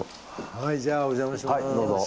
はいじゃあお邪魔します。